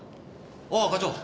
あっ課長。